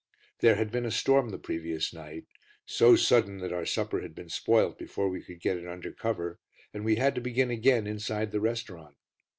There had been a storm the previous night, so sudden that our supper had been spoilt before we could get it under cover and we had to begin again inside the restaurant.